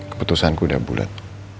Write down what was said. keputusanku udah bulat